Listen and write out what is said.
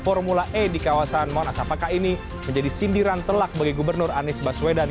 formula e di kawasan monas apakah ini menjadi sindiran telak bagi gubernur anies baswedan